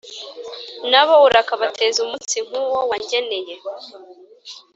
Na bo urakabateza umunsi nk’uwo wangeneye,